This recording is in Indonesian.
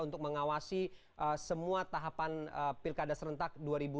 untuk mengawasi semua tahapan pilkada serentak dua ribu dua puluh